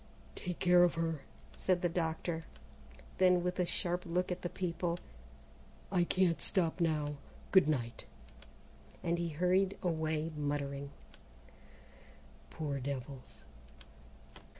"Take care of her," said the doctor, then with a sharp look at the people: "I can't stop now goodnight!" and he hurried away muttering, "Poor devils!"